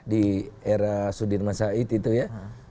di era sudirman said itu ya